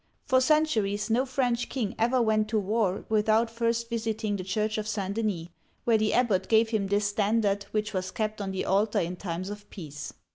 For centuries no French king ever went to war without first visiting the Church of St. Denis, where the abbot gave him this stand ard, which was kept on the altar in times of peace.